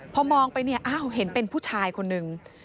พอมองไปเนี่ยอ้าวเห็นเป็นผู้ชายคนหนึ่ง